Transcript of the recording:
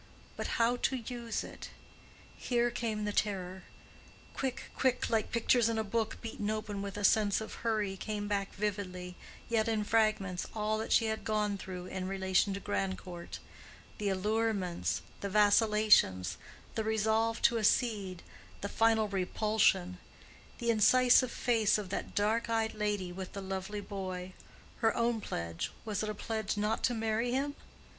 But how to use it? Here came the terror. Quick, quick, like pictures in a book beaten open with a sense of hurry, came back vividly, yet in fragments, all that she had gone through in relation to Grandcourt—the allurements, the vacillations, the resolve to accede, the final repulsion; the incisive face of that dark eyed lady with the lovely boy: her own pledge (was it a pledge not to marry him?)